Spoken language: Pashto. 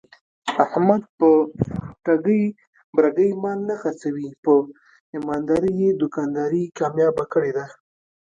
احمد په ټګۍ برگۍ مال نه خرڅوي. په ایماندارۍ یې دوکانداري کامیاب کړې ده.